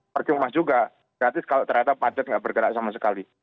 pergi rumah juga gratis kalau ternyata padat nggak bergerak sama sekali